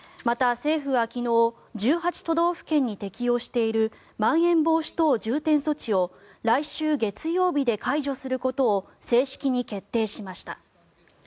また、政府は昨日１８都道府県に適用しているまん延防止等重点措置を来週月曜日で解除することを正式に決定しました。